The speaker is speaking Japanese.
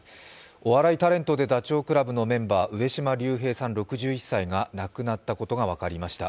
お笑いタレントでダチョウ倶楽部のメンバー・上島竜兵さんが亡くなったことが分かりました。